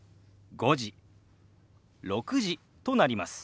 「５時」「６時」となります。